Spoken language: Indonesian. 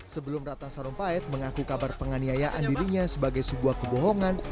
sebelum ratna sarumpait mengaku kabar penganiayaan dirinya sebagai sebuah kebohongan